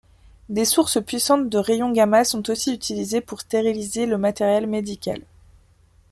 Des sources puissantes de rayons gamma sont aussi utilisées pour stériliser le matériel médical.